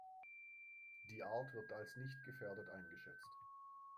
Die Art wird als nicht gefährdet eingeschätzt.